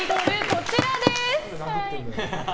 こちらです。